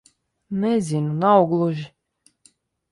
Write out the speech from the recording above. Nezinu. Nav gluži...